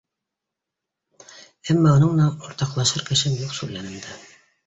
Әммә уның менән уртаҡлашыр кешем юҡ шул янымда.